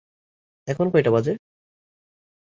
এখন কয়টা বাজে?